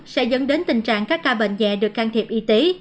sẽ dẫn đến tình trạng các ca bệnh dạy được can thiệp y tế